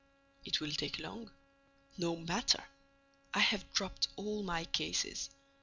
"It will take long." "No matter! I have dropped all my cases.